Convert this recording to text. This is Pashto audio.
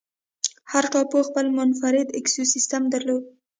هر ټاپو خپل منفرد ایکوسیستم درلود.